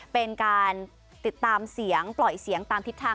เป็นการติดตามเสียงปล่อยเสียงตามทิศทาง